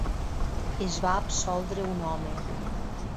Es va absoldre un home.